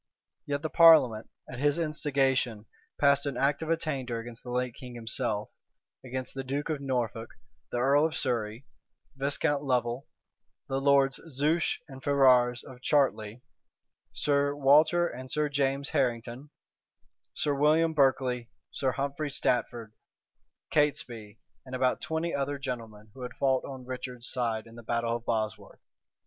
Yet the parliament, at his instigation, passed an act of attainder against the late king himself, against the duke of Norfolk, the earl of Surrey, Viscount Lovel, the lords Zouche and Ferrars of Chartley, Sir Walter and Sir James Harrington, Sir William Berkeley, Sir Humphrey Stafford, Catesby, and about twenty other gentlemen who had fought on Richard's side in the battle of Bosworth.